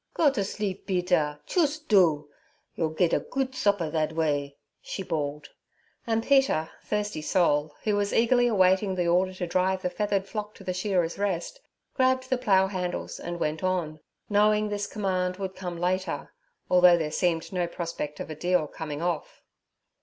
'Go t' sleep, Peder, choost do! Yor ged a goot supper thad way' she bawled; and Peter, thirsty soul, who was eagerly awaiting the order to drive the feathered flock to the Shearers' Rest, grabbed the plough handles and went on, knowing this command would come later, although there seemed no prospect of a deal coming off.